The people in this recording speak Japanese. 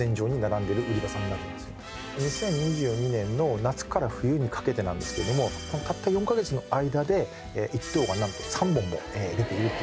２０２２年の夏から冬にかけてなんですけどもたった４カ月の間で１等が３本も出ているっていう。